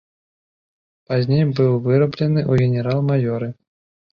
Пазней быў выраблены ў генерал-маёры.